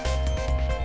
chúng tôi là văn works